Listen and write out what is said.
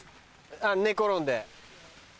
寝転んで。